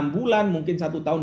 enam bulan mungkin satu tahun